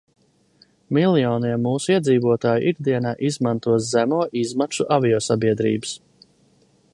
Miljoniem mūsu iedzīvotāju ikdienā izmanto zemo izmaksu aviosabiedrības.